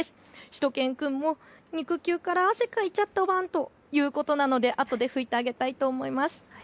しゅと犬くんも肉球から汗が出ちゃったワンということなのであとで拭いてあげたいと思います。